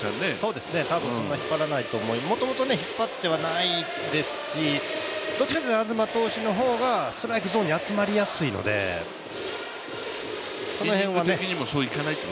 多分そんな引っ張らないと思います、元々ひっぱってはないですし、どちらかというと東投手の方がストライクゾーンに集まりやすいので、その辺はね。